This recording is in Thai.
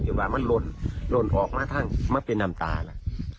ว่ามันหล่นออกมาทั้งมันเป็นน้ำตาล่ะ